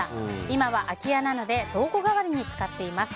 今は空き家なので倉庫代わりに使っています。